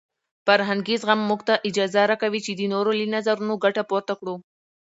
فرهنګي زغم موږ ته اجازه راکوي چې د نورو له نظرونو ګټه پورته کړو.